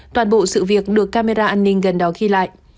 toàn bộ sự việc được camera an ninh gần đó ghi lại